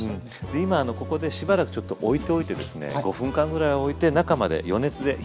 今ここでしばらくちょっとおいておいてですね５分間ぐらいおいて中まで余熱で火を入れていきます。